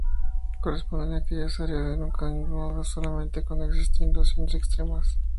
Corresponden a aquellas áreas que nunca son inundadas o solamente cuando existen inundaciones extremas.